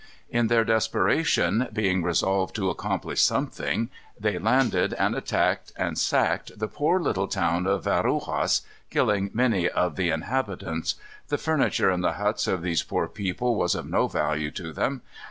In their desperation, being resolved to accomplish something, they landed and attacked and sacked the poor little town of Veruguas, killing many of the inhabitants. The furniture in the huts of these poor people was of no value to them.